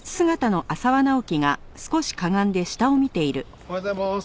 おはようございます。